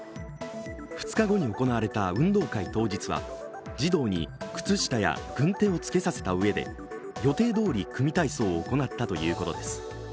２日後に行われた運動会当日は児童に靴下や軍手を着けさせたうえで予定どおり組体操を行ったということです。